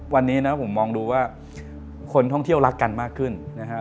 วันนี้นะผมมองดูว่าคนท่องเที่ยวรักกันมากขึ้นนะฮะ